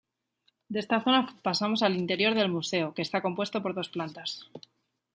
De esta zona pasamos al interior del museo que está compuesto por dos plantas.